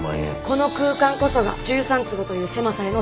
この空間こそが１３坪という狭さへの挑戦。